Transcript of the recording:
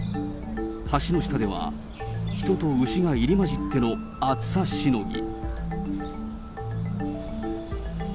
橋の下では、人と牛が入り交じっての暑さしのぎ。